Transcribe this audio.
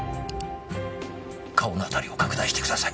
顔のあたりを拡大してください。